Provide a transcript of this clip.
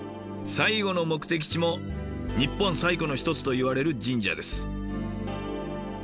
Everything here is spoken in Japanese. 最後の目的地も日本最古の一つといわれる神社です。